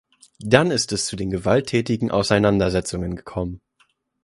Dann ist es zu den gewalttätigen Auseinandersetzungen gekommen.